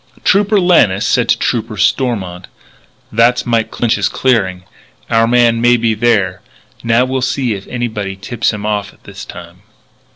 Trooper Lannis said to Trooper Stormont: "That's Mike Clinch's clearing. Our man may be there. Now we'll see if anybody tips him off this time."